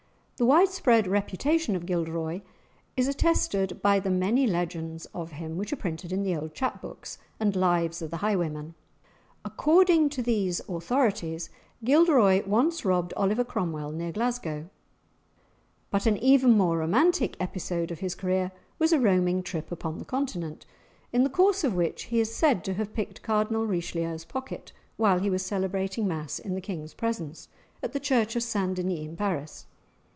The widespread reputation of Gilderoy is attested by the many legends of him which are printed in the old chap books and "Lives of the Highwaymen." According to these authorities, Gilderoy once robbed Oliver Cromwell near Glasgow; but an even more romantic episode of his career was a roaming trip upon the continent, in the course of which he is said to have picked Cardinal Richelieu's pocket while he was celebrating mass in the King's presence, at the church of St Denis in Paris.